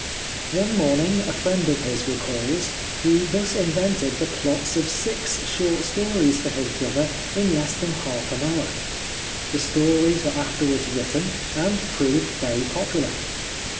One morning, a friend of his recalls, he thus invented the plots of six short stories for his brother in less than half an hour. The stories were afterwards written, and proved very popular.